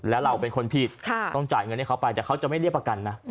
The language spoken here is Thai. แล้วเราเป็นคนผิดต้องจ่ายเงินให้เขาไปแต่เขาจะไม่เรียกประกันนะ